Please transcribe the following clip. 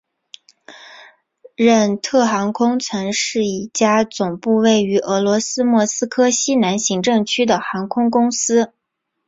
任特航空曾是一家总部位于俄罗斯莫斯科西南行政区的航空公司。